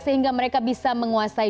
sehingga mereka bisa menguasai